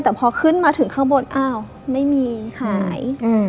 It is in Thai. แต่พอขึ้นมาถึงข้างบนอ้าวไม่มีหาย